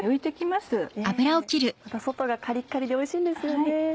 また外がカリカリでおいしいんですよね。